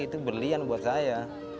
itu berlian buat saya